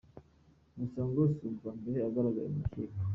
Gusa ngo si ubwa mbere agaragaye mu rukiko.